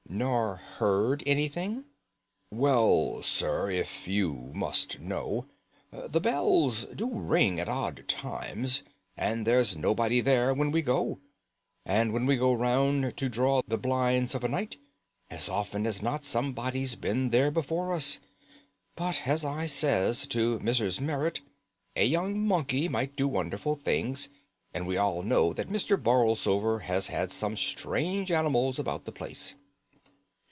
"Nor heard anything?" "Well, sir, if you must know, the bells do ring at odd times, and there's nobody there when we go; and when we go round to draw the blinds of a night, as often as not somebody's been there before us. But as I says to Mrs. Merrit, a young monkey might do wonderful things, and we all know that Mr. Borlsover has had some strange animals about the place."